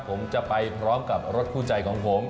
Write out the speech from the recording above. ผมจะไปพร้อมกับรถคู่ใจของผม